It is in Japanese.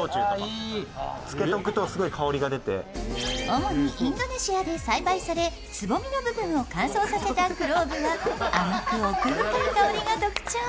主にインドネシアで栽培されつぼみの部分を乾燥させたクローブは甘く奥深い香りが特徴。